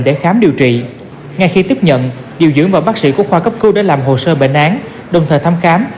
để khám điều trị ngay khi tiếp nhận điều dưỡng và bác sĩ của khoa cấp cứu đã làm hồ sơ bệnh án đồng thời thăm khám